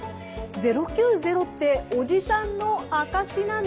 ０９０っておじさんの証しなの？